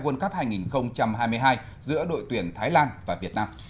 world cup hai nghìn hai mươi hai giữa đội tuyển thái lan và việt nam